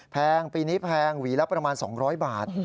แพงปีนี้แพงหวีละประมาณ๒๐๐บาท